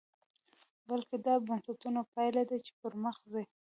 بلکې دا د بنسټونو پایله ده چې پرمخ ځي.